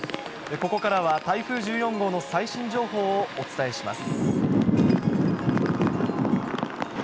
ここからは台風１４号の最新情報をお伝えします。